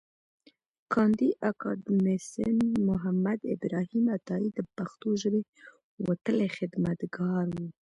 کاندي اکاډميسنمحمد ابراهیم عطایي د پښتو ژبې وتلی خدمتګار و.